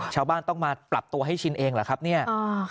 ชาวบ้านต้องมาปรับตัวให้ชินเองเหรอครับเนี่ย